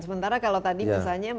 sementara kalau tadi misalnya